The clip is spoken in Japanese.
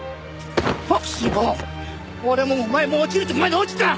トシ坊俺もお前も落ちるとこまで落ちた！